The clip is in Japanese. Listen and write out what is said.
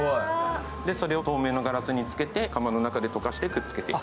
それを透明のガラにつけて、窯の中でくっつけていく。